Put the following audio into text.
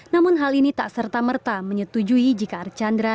namun hal ini tak serta merta menyetujui jika archandra